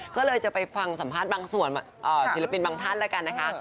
ก็เลยจะไปฟังสัมภาษณ์บางส่วนศิลปินบางท่านแล้วกันนะคะ